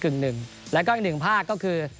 เกินครึ่ง๑แล้วก็อีกหนึ่งภาคก็คือ